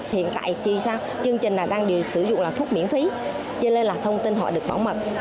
hiện tại khi chương trình đang sử dụng là thuốc miễn phí cho nên là thông tin họ được bảo mật